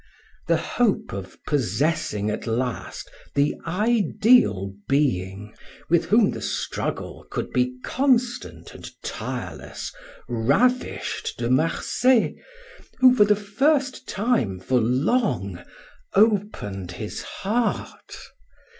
The hope of possessing at last the ideal being with whom the struggle could be constant and tireless ravished De Marsay, who, for the first time for long, opened his heart.